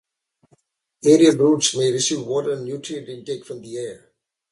Aerial roots may receive water and nutrient intake from the air.